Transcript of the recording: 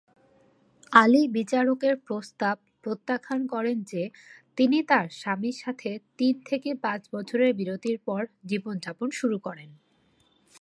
আলী বিচারকের প্রস্তাব প্রত্যাখ্যান করেন যে তিনি তার স্বামীর সাথে তিন থেকে পাঁচ বছরের বিরতির পর জীবনযাপন শুরু করেন।